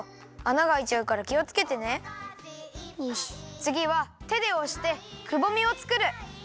つぎはてでおしてくぼみをつくる！